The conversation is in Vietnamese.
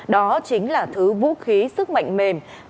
đó chính là thứ vũ khí sức mạnh mềm